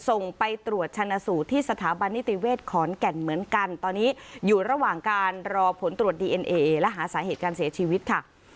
ส่งไปตรวจชนะสูตรที่สถาบันนิติเวศขอนแก่นเหมือนกันตอนนี้อยู่ระหว่างการรอผลตรวจดีเอ็นเอและหาสาเหตุการเสียชีวิตค่ะ